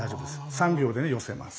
３秒で寄せます。